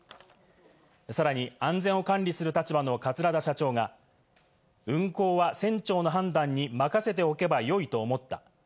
さらに安全を管理する立場の桂田社長が、運航は船長の判断に任せておけば良いと思った。